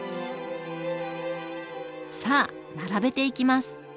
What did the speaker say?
さあ並べていきます。